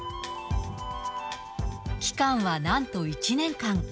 期間はなんと１年間。